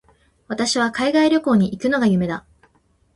私は海外旅行に行くのが夢だ。